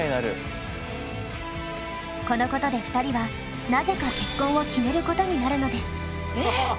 このことで２人はなぜか結婚を決めることになるのです。